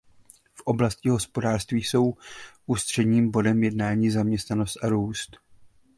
V oblasti hospodářství jsou ústředním bodem jednání zaměstnanost a růst.